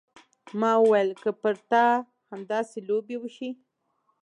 ما وويل که پر تا همداسې لوبې وشي.